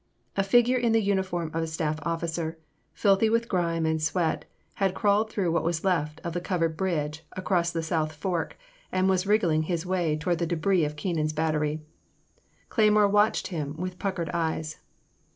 A figure in the uniform of a staff officer, filthy with grime and sweat, had crawled through what was left of the covered bridge across the South Fork, and was wriggling his way toward the debris of Keenan's battery. Cleymore watched him with puckered eyes.